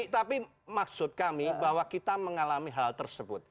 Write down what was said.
tapi maksud kami bahwa kita mengalami hal tersebut